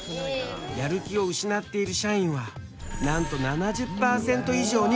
やる気を失っている社員はなんと７０％以上に上る。